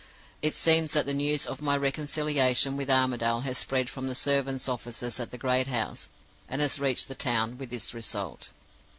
It seems that the news of my reconciliation with Armadale has spread from the servants' offices at the great house, and has reached the town, with this result.